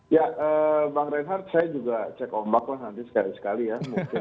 ya bang reinhardt saya juga cek ombak lah nanti sekali sekali ya